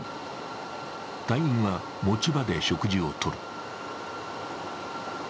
隊員は持ち場で食事をとる。